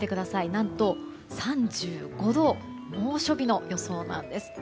何と、３５度猛暑日の予想なんです。